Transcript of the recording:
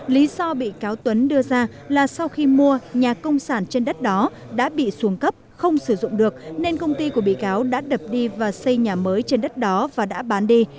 lý do bị cáo tuấn đưa ra là sau khi mua nhà công sản trên đất đó đã bị xuống cấp không sử dụng được nên công ty của bị cáo đã đập đi và xây nhà mới trên đất đó và đã bán đi